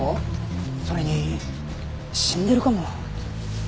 それに死んでるかも。